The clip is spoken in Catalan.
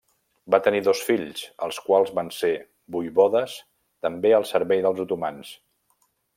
Va tenir dos fills, els quals van ser Voivodes també al servei dels otomans.